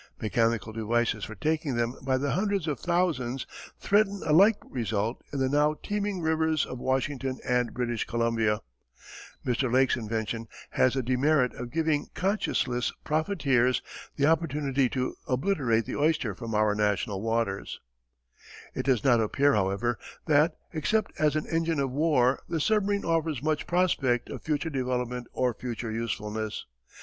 Mechanical devices for taking them by the hundreds of thousands threaten a like result in the now teeming rivers of Washington and British Columbia. Mr. Lake's invention has the demerit of giving conscienceless profiteers the opportunity to obliterate the oyster from our national waters. [Illustration: Permission of Scientific American. Sectional View of a British Submarine.] It does not appear, however, that, except as an engine of war the submarine offers much prospect of future development or future usefulness.